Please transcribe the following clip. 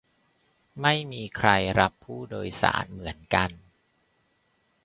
ไม่มีใครรับผู้โดยสารเหมือนกัน